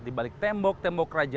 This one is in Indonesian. di balik tembok tembok raja